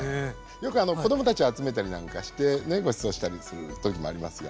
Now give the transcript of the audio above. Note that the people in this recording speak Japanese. よく子供たちを集めたりなんかしてねごちそうしたりする時もありますよ。